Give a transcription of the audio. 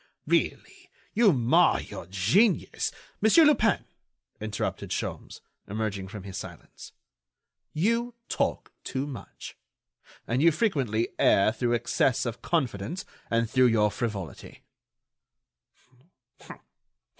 really, you mar your genius——" "Monsieur Lupin," interrupted Sholmes, emerging from his silence, "you talk too much, and you frequently err through excess of confidence and through your frivolity."